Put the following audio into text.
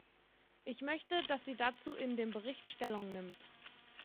Ich möchte, dass sie dazu in dem Bericht Stellung nimmt.